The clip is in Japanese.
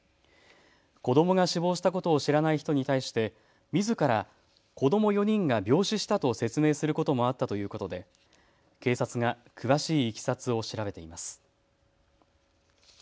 子どもが死亡したことを知らない人に対して、みずから子ども４人が病死したと説明することもあったということで警察が詳しいいきさつを調べています。